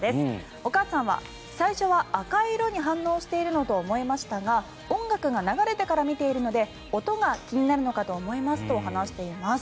お母さんは最初は赤い色に反応していると思いましたが音楽が流れてから見ているので音が気になるのかと思いますと話しています。